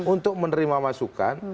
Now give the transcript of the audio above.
untuk menerima masukan